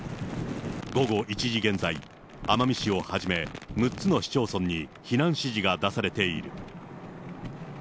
午後１時現在、奄美市をはじめ、６つの市町村に避難指示が出されている。